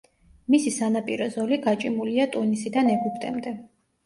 მისი სანაპირო ზოლი გაჭიმულია ტუნისიდან ეგვიპტემდე.